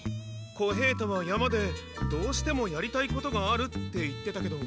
小平太は山でどうしてもやりたいことがあるって言ってたけど。